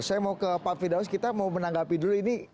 saya mau ke pak fidaus kita mau menanggapi dulu ini